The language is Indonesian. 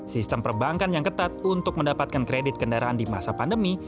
sistem perbankan yang ketat untuk mendapatkan kredit kendaraan di masa pandemi